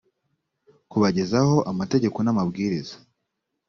kubagezaho amategeko n’amabwiriza